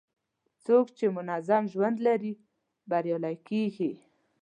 څوک چې منظم ژوند لري، بریالی کېږي.